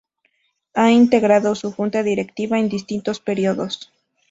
Ha integrado su Junta Directiva en distintos períodos.